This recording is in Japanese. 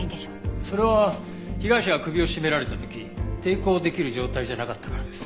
それは被害者が首を絞められた時抵抗できる状態じゃなかったからです。